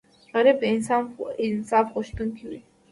غریب د انصاف غوښتونکی وي